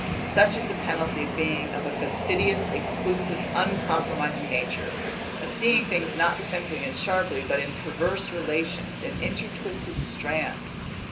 Such is the penalty of being of a fastidious, exclusive, uncompromising nature; of seeing things not simply and sharply, but in perverse relations, in intertwisted strands.